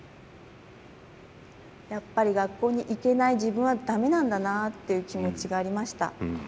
やっぱり学校に行けない自分は駄目なんだなっていう気持ちがありました。